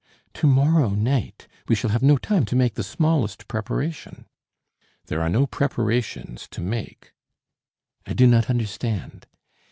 "To morrow night! We shall have no time to make the smallest preparation." "There are no preparations to make." "I do not understand."